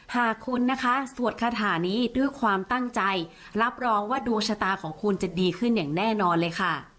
หากคุณนะคะสวดคาถานี้ด้วยความตั้งใจรับรองว่าดวงชะตาของคุณจะดีขึ้นอย่างแน่นอนเลยค่ะ